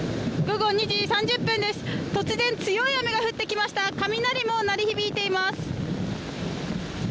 午後２時３０分です、突然強い雨が降ってきました雷も鳴り響いています。